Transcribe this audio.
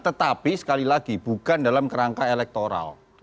tetapi sekali lagi bukan dalam kerangka elektoral